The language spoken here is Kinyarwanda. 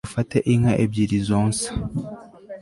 mufate inka ebyiri zonsa